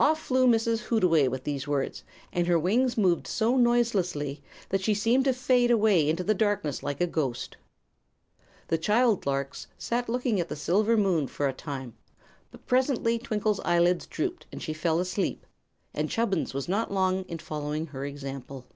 Off flew Mrs. Hootaway with these words, and her wings moved so noiselessly that she seemed to fade away into the darkness like a ghost. The child larks sat looking at the silver moon for a time; but presently Twinkle's eyelids drooped and she fell fast asleep, and Chubbins was not long in following her example.